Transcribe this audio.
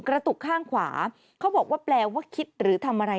กระตุกข้างขวาเขาบอกว่าแปลว่าคิดหรือทำอะไร